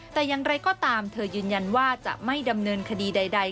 แต่อย่างไรก็ตามเธอยืนยันว่าจะไม่ดำเนินคดีใด